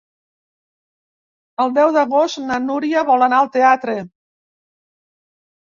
El deu d'agost na Núria vol anar al teatre.